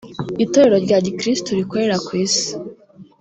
itorero rya gikirisitu rikorera ku isi